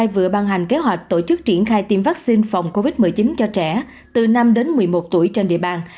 vừa ban hành kế hoạch tổ chức triển khai tiêm vaccine phòng covid một mươi chín cho trẻ từ năm đến một mươi một tuổi trên địa bàn